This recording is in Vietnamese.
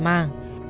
dù muộn mà